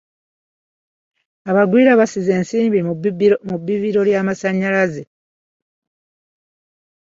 Abagwira basize ensimbi mu bibbiro ly'amasannyalaze.